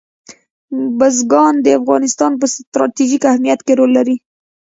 بزګان د افغانستان په ستراتیژیک اهمیت کې رول لري.